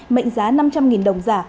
mệnh giá năm trăm linh đồng giả